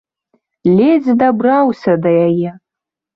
Ледзь дабраўся да яе.